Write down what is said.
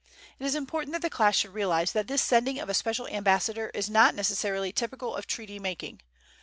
It is important that the class should realize that this sending of a special ambassador is not necessarily typical of treaty making.